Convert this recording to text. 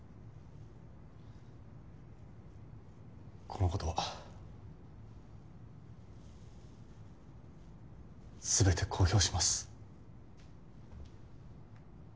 このことは全て公表します。